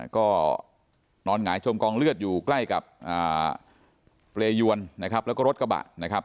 ก็นอนหงายจมกองเลือดอยู่ใกล้กับเปรยวนนะครับแล้วก็รถกระบะนะครับ